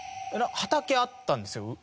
畑あったんですよ